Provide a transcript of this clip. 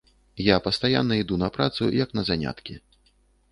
Я пастаянна іду на працу, як на заняткі.